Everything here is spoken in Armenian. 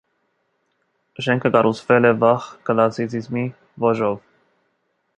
Շենքը կառուցվել է վաղ կլասիցիզմի ոճով։